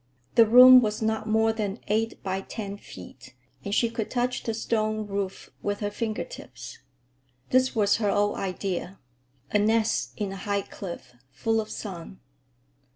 The room was not more than eight by ten feet, and she could touch the stone roof with her finger tips. This was her old idea: a nest in a high cliff, full of sun.